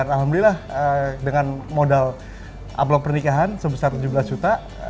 alhamdulillah dengan modal aploa pernikahan sebesar tujuh belas juta